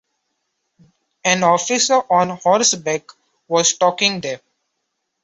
An officer on horseback was talking there.